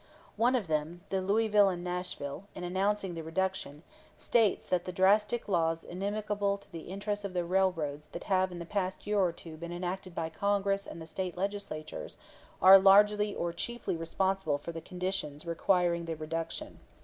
One of them, the Louisville and Nashville, in announcing the reduction, states that 'the drastic laws inimical to the interests of the railroads that have in the past year or two been enacted by Congress and the State Legislatures' are largely or chiefly responsible for the conditions requiring the reduction.